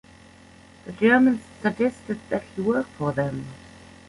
The Germans suggested that he work for them.